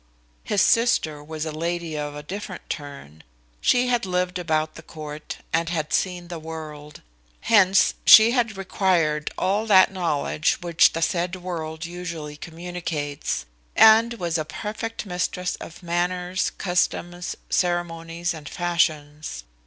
His sister was a lady of a different turn. She had lived about the court, and had seen the world. Hence she had acquired all that knowledge which the said world usually communicates; and was a perfect mistress of manners, customs, ceremonies, and fashions.